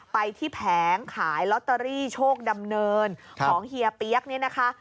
ไปที่แผงขายลอตเตอรี่โชคดำเนินของเฮียเปี๊ยกเนี่ยนะคะ